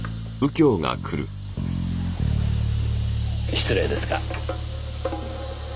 失礼ですが。